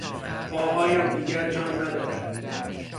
پاهایم دیگر جان ندارد.